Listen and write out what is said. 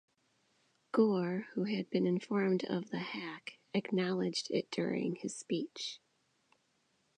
Gore, who had been informed of the hack, acknowledged it during his speech.